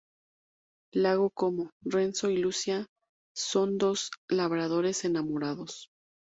Lago Como: Renzo y Lucia son dos labradores enamorados.